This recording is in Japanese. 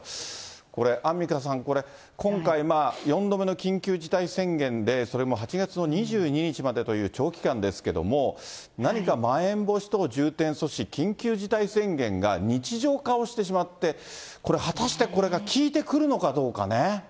これ、アンミカさん、これ、今回４度目の緊急事態宣言で、それも８月の２２日までという長期間ですけれども、何かまん延防止等重点措置、緊急事態宣言が日常化をしてしまって、これ果たしてこれが効いてくるのかどうかね。